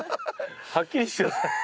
はっきりして下さい。